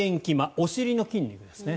お尻の筋肉ですね。